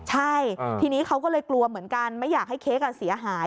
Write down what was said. ใช่ทีนี้เขาก็เลยกลัวเหมือนกันไม่อยากให้เค้กเสียหาย